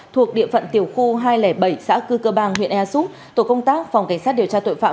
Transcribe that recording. thuộc địa phận tiểu khu hai trăm linh bảy xã cư cơ bang huyện ea súp tổ công tác phòng cảnh sát điều tra tội phạm